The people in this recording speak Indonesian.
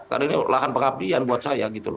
karena ini lahan pengabdian buat saya